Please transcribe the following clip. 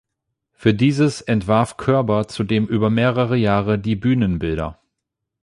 Für dieses entwarf Körber zudem über mehrere Jahre die Bühnenbilder.